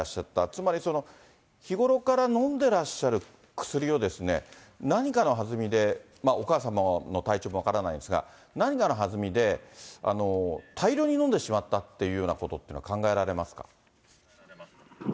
つまり、日頃から飲んでらっしゃる薬を何かのはずみで、お母様の体調も分からないですが、何かのはずみで、大量に飲んでしまったっていうようなことは考えられますか。